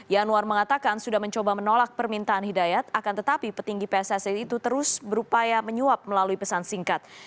yanwar mengatakan sudah mencoba menolak permintaan hidayat akan tetapi petinggi pssi itu terus berupaya menyuap melalui pesan singkat